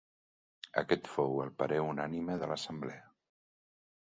Aquest fou el parer unànime de l'assemblea.